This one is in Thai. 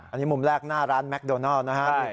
อันนี้มุมแรกหน้าร้านแมคโดนัลนะฮะ